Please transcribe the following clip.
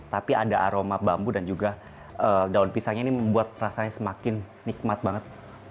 tapi ada aroma bambu dan juga daun pisangnya ini membuat rasanya semakin nikmat banget